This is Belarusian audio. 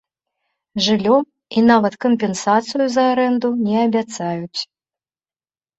Жыллё і нават кампенсацыю за арэнду не абяцаюць.